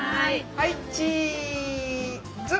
はいチーズ。